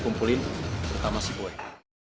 kumpulin kita masih boleh